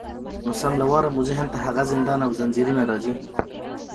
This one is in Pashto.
نو سم له واره مو ذهن ته هغه زندان او زنځیرونه راځي